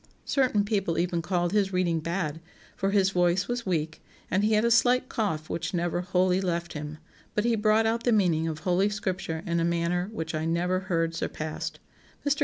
Certain people even called his reading bad, for his voice was weak, and he had a slight cough which never wholly left him; but he brought out the meaning of Holy Scripture in a manner which I never heard surpassed. Mr.